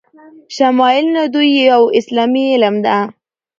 شمایل ندوی یو اسلامي علم ده